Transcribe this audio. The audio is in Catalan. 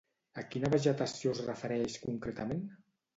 A quina vegetació es refereix concretament?